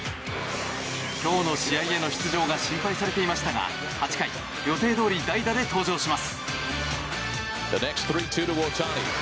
今日の試合への出場が心配されていましたが８回予定どおり代打で登場します。